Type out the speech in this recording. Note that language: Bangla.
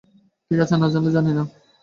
ঠিক আছে, না জানলে জানি না।